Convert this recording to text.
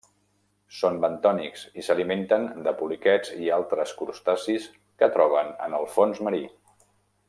Són bentònics i s'alimenten de poliquets i altres crustacis que troben en el fons marí.